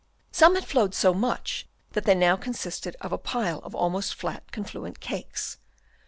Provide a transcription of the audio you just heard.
Some had flowed so much that they now consisted of a pile of almost flat confluent cakes.